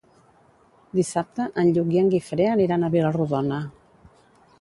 Dissabte en Lluc i en Guifré aniran a Vila-rodona.